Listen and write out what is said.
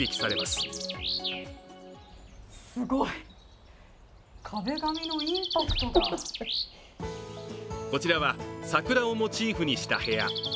すごい、壁紙のインパクトがこちらは、桜をモチーフにした部屋。